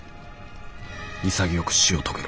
潔く死を遂げろ。